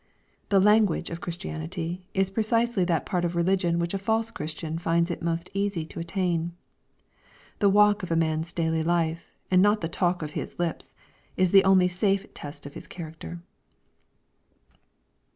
The language of Christianity is precisely that part of religion which a false Christian finds it most easy to attain. The walk of a man's daily life^ and not the talk of his lips, is the only safe test of his character.